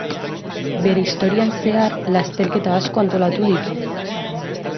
Bere historian zehar lasterketa asko antolatu ditu.